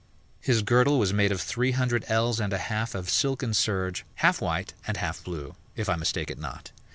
His girdle was made of three hundred ells and a half of silken serge, half white and half blue, if I mistake it not.